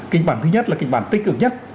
kịch bản thứ nhất là kịch bản tích cực nhất